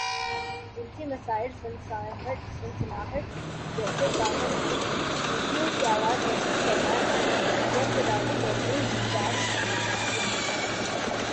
جنسی مسائل سنسناہٹ جیسے کانوں میں سیٹیوں کی آواز محسوس کرنا نئی یا پرانی دردیں نظام انہضام